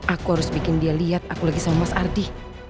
aku harus bikin dia lihat aku lagi sama mas ardi